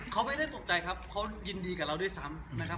เขาไม่ได้ตกใจครับเขายินดีกับเราด้วยซ้ำนะครับ